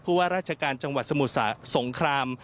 ว่าราชการจังหวัดสมุทรสงคราม